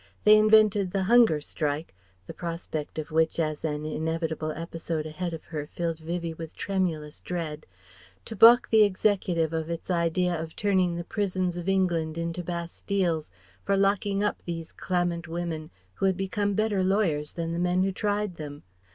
They invented the Hunger Strike (the prospect of which as an inevitable episode ahead of her, filled Vivie with tremulous dread) to balk the Executive of its idea of turning the prisons of England into Bastilles for locking up these clamant women who had become better lawyers than the men who tried them.